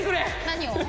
何を？